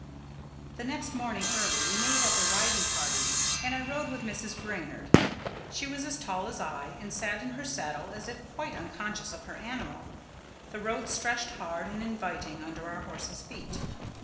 The next morning early we made up a riding party, and I rode with Mrs. Brainard. She was as tall as I, and sat in her saddle as if quite unconscious of her animal. The road stretched hard and inviting under our horses' feet.